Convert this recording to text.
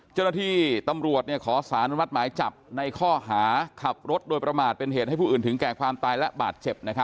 เจ้าหน้าที่ตำรวจขอสารอนุมัติหมายจับในข้อหาขับรถโดยประมาทเป็นเหตุให้ผู้อื่นถึงแก่ความตายและบาดเจ็บ